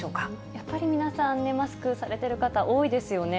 やっぱり皆さん、マスクされてる方、多いですよね。